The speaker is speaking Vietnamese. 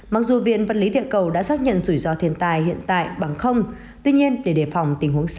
mặc dù viện văn lý địa cầu đã xác nhận rủi ro thiên tài hiện tại bằng không